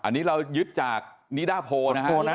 อันนี้เรายึดจากนิดาโพลนะฮะ